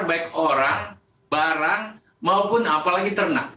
baik orang barang maupun apalagi ternak